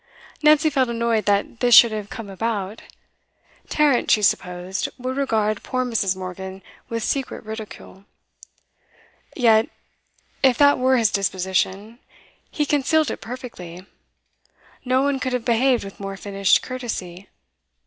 Nancy felt annoyed that this should have come about; Tarrant, she supposed, would regard poor Mrs. Morgan with secret ridicule. Yet, if that were his disposition, he concealed it perfectly; no one could have behaved with more finished courtesy.